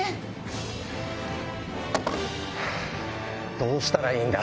どうしたらいいんだ。